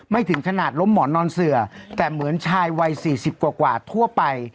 ถึงขนาดล้มหมอนนอนเสือแต่เหมือนชายวัยสี่สิบกว่าทั่วไป